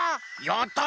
やった！